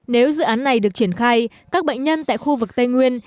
nếu dự án này được triển khai các bệnh nhân tại khu vực tây nguyên